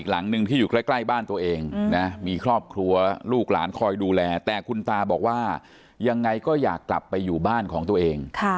หลังหนึ่งที่อยู่ใกล้บ้านตัวเองนะมีครอบครัวลูกหลานคอยดูแลแต่คุณตาบอกว่ายังไงก็อยากกลับไปอยู่บ้านของตัวเอง